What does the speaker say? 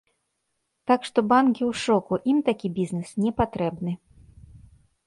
Так што банкі ў шоку, ім такі бізнес не патрэбны.